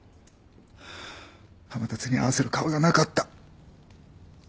天達に合わせる顔がなかった。